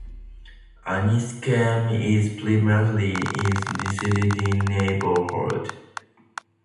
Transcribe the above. Annisquam is primarily a residential neighborhood.